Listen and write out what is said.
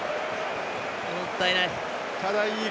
もったいない。